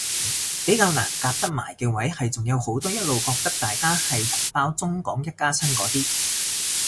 比較難夾得埋嘅位係仲有好多一路覺得大家係同胞中港一家親嗰啲